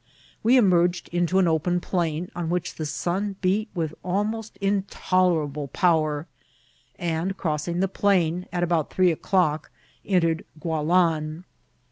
We emerged into an open plain, on which the sun beat with almost intolerable power ; and, crossing the plain, at about three o'clock entered Gualan.